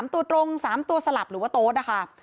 ตัวตรง๓ตัวสลับหรือว่าโต๊ดนะคะ